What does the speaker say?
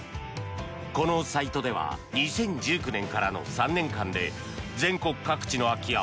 このサイトでは２０１９年からの３年間で全国各地の空き家